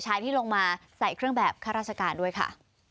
ที่ลงมาใส่เครื่องแบบข้าราชการด้วยค่ะ